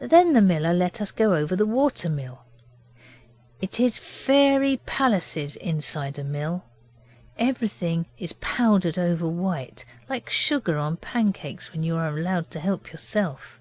Then the miller let us go all over the water mill. It is fairy palaces inside a mill. Everything is powdered over white, like sugar on pancakes when you are allowed to help yourself.